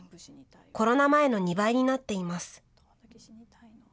コロナ前の２倍になっています。